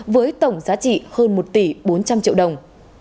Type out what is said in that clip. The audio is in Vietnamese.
với tổng giá trị hơn một tỷ bốn trăm linh triệu đồng